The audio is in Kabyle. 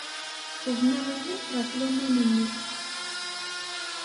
Tuḍen aɣilif ɣef laman-nnek.